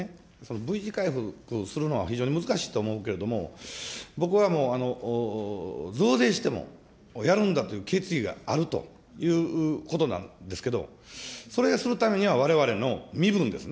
Ｖ字回復するのは非常に難しいと思うけれども、僕はもう増税しても、やるんだという決意があるということなんですけれども、それをするためには、われわれの身分ですね。